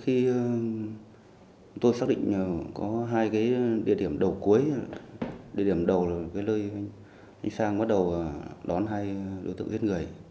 khi tôi xác định có hai địa điểm đầu cuối địa điểm đầu là nơi anh sang bắt đầu đón hai đối tượng giết người